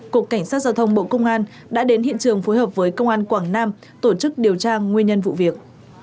cục cảnh sát giao thông bộ công an đã đến hiện trường phối hợp với công an quảng nam tổ chức điều tra nguyên nhân vụ việc